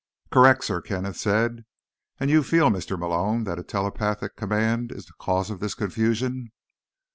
"Correct," Sir Kenneth said. "And you feel, Mr. Malone, that a telepathic command is the cause of this confusion?"